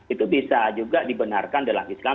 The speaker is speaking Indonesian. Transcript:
itu bisa juga dibenarkan dalam islam